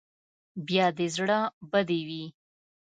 بیا دې زړه بدې وي.